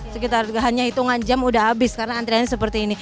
sekitar hanya hitungan jam udah habis karena antriannya seperti ini